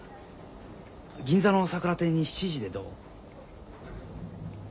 銀座のさくら亭に７時でどう？